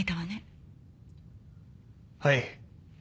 はい。